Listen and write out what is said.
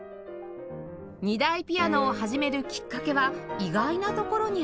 ２台ピアノを始めるきっかけは意外なところにありました